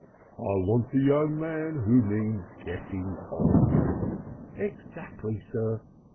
"I want a young man who means getting on." "Exactly, sir.